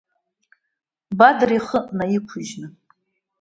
Бадра ихы наиқәжьны.